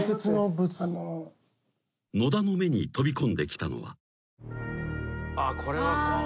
［野田の目に飛び込んできたのは］